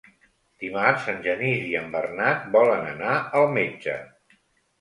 Dimarts en Genís i en Bernat volen anar al metge.